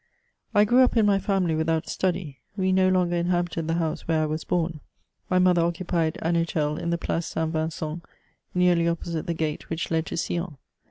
I grew up in my family without study. "We no longer inhabited the house where I was bom : my mother occupied an hotel in the Place Saint Vincent, nearly opposite the gate which led to SUlon.